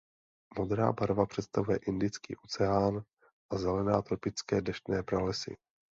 Modrá barva představuje Indický oceán a zelená tropické deštné pralesy.